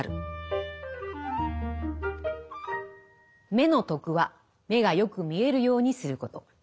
目の徳は目がよく見えるようにすること。